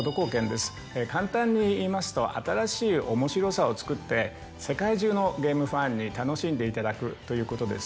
簡単に言いますと新しい面白さをつくって世界中のゲームファンに楽しんでいただくということです。